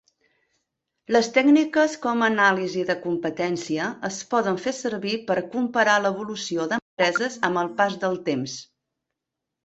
Les tècniques com anàlisi de competència es poden fer servir per comparar l evolució d'empreses amb el pas del temps.